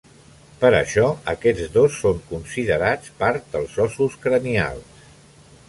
Per això, aquests dos són considerats part dels ossos cranials.